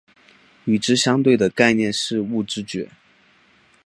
与之相对的概念是物知觉。